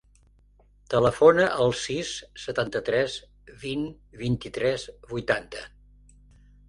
Telefona al sis, setanta-tres, vint, vint-i-tres, vuitanta.